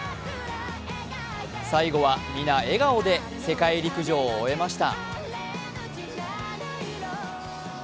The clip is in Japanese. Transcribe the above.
最後はみな笑顔で世界陸上を終えました。